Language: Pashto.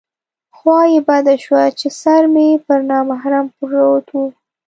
خوا یې بده شوه چې سر مې پر نامحرم پروت و.